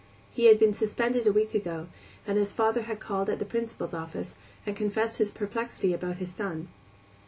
He had been suspended a week ago, and his father had called at the Principal's office and confessed his perplexity about his son.